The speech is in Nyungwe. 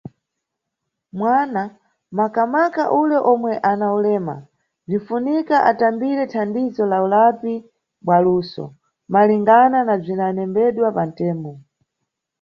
Mwana, makamaka ule omwe ana ulema, bzinʼfunika atambire thandizo lá ulapi bwa luso, malingana na bzidanembedwa pantemo.